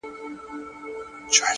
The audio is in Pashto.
خدای په ژړا دی; خدای پرېشان دی;